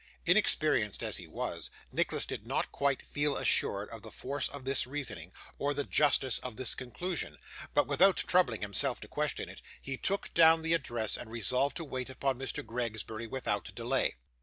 Inexperienced as he was, Nicholas did not feel quite assured of the force of this reasoning, or the justice of this conclusion; but without troubling himself to question it, he took down the address, and resolved to wait upon Mr. Gregsbury without delay.